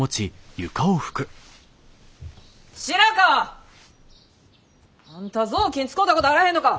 白川！あんた雑巾使たことあらへんのか。